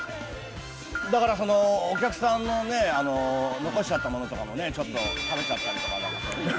お客さんの残しちゃったものとかを、ちょっと食べちゃったりとか。